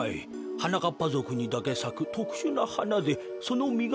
はなかっぱぞくにだけさくとくしゅなはなでそのみがおちるたびに。